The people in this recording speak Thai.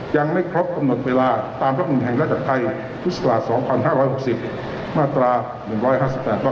ยังไม่ครบกำหนดเวลาตามรับหนุนแห่งราชกรรมไทยพศ๒๕๖๐มาตรา๑๕๘ตัก๔